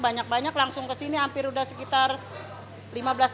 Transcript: banyak banyak langsung kesini hampir udah sekitar lima belas tahun lebih dah ramenya begini dah